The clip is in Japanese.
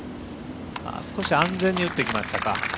少し安全に打ってきましたか。